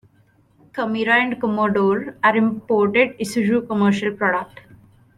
Camira and Commodore, and imported Isuzu commercial product.